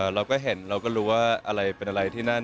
เราก็เห็นเราก็รู้ว่าอะไรเป็นอะไรที่นั่น